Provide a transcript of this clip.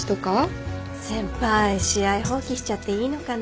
先輩試合放棄しちゃっていいのかな？